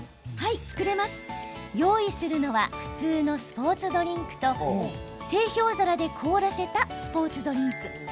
用意するのは普通のスポーツドリンクと製氷皿で凍らせたスポーツドリンク。